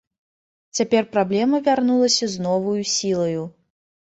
Цяпер праблема вярнулася з новаю сілаю.